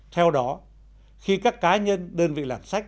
theo đó khi các cá nhân đơn vị làm sách